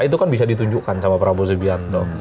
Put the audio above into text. itu kan bisa ditunjukkan sama prabowo subianto